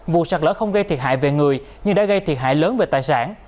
vụ sạt lỡ không gây thiệt hại về người nhưng đã gây thiệt hại lớn về tài sản